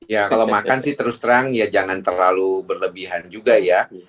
ya kalau makan sih terus terang ya jangan terlalu berlebihan juga ya